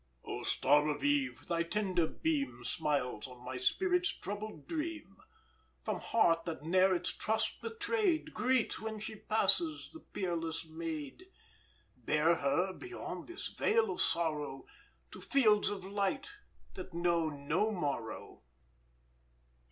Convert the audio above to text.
"Oh star of eve, thy tender beam Smiles on my spirit's troubled dream. From heart that ne'er its trust betrayed, Greet, when she passes, the peerless maid! Bear her beyond this vale of sorrow To fields of light that know no morrow."